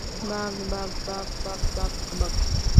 বাক, বাক, বাক, বাক, বাক, বাক।